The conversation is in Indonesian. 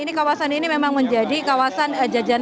ini sudah berhasil untuk jika burung burung itu atau orang stagger